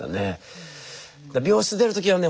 病室出る時はね